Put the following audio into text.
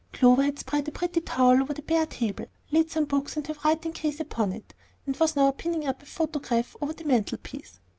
Clover had spread a pretty towel over the bare table, laid some books and her writing case upon it, and was now pinning up a photograph over the mantel piece.